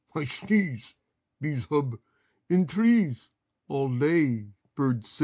I sdeeze. Bees hub. Id trees All day Birds sig.